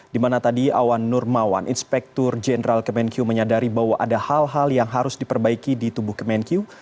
dimana tadi awan nur mawan inspektur jenderal kemenkiu menyadari bahwa ada hal hal yang harus diperbaiki di tubuh kemenkiu